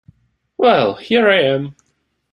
Well, here I am.